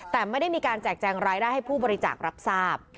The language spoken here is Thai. แต่ไม่ได้มีการแจกแจงรายได้ให้ผู้บริจาครับทราบ